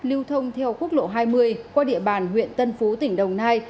lưu thông theo quốc lộ hai mươi qua địa bàn huyện tân phú tỉnh đồng nai